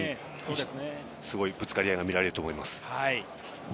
すごいぶつかり合いが見られると思います。